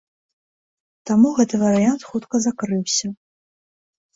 Таму гэты варыянт хутка закрыўся.